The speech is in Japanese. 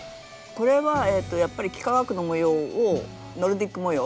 これはやっぱり幾何学の模様をノルディック模様。